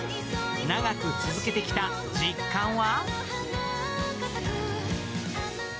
長く続けてきた実感は？